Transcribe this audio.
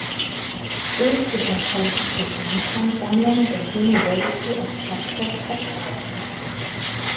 Das Bild gehört heute zur Gernsheim-Sammlung der University of Texas at Austin.